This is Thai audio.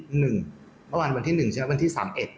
เมื่อวานวันที่๑ใช่ไหมวันที่๓๑